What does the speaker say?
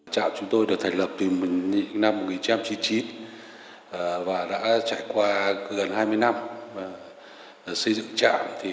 trạm chúng tôi được thành lập từ năm một nghìn chín trăm chín mươi chín và đã trải qua gần hai mươi năm xây dựng trạm